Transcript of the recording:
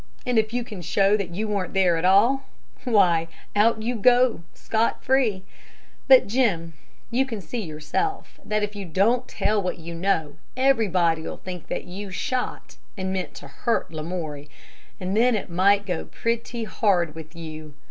And if you can show that you weren't there at all why, out you go, scot free. But, Jim, you can see yourself that if you don't tell what you know, everybody'll think that you shot and meant to hurt Lamoury, and then it might go pretty hard with you.